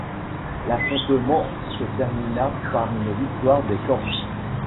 L'affrontement se termina par une victoire des Corses.